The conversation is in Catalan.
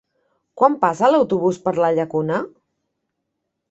Quan passa l'autobús per la Llacuna?